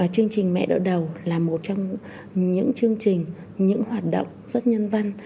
chương trình mẹ đỡ đầu là một trong những chương trình những hoạt động rất nhân văn